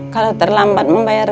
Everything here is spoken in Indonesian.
kalau terlambat bayar sewa